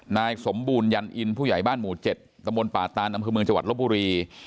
นายสมบูรณยันอินผู้ใหญ่บ้านหมู่๗ตะบนป่าตานอำเภอเมืองจังหวัดลบบุรี